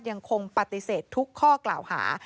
ยังคงปฏิเสธทุกข้อกล่าวหา